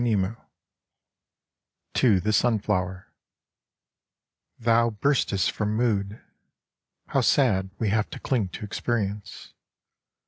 89 TO THE SUNFLOWER Thou burstest from mood : How sad we have to cling to experience